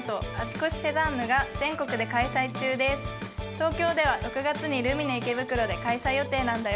東京では６月にルミネ池袋で開催予定なんだよ。